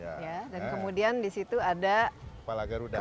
pembicara dua puluh sembilan dan kemudian di situ ada kepala garudanya